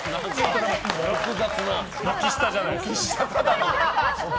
軒下じゃないですか。